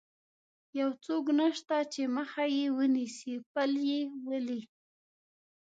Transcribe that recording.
یو څوک نشته چې مخه یې ونیسي، پل یې ولې.